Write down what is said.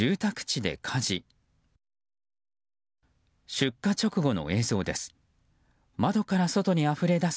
出火直後の映像です。